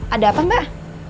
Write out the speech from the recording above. ada apa mbak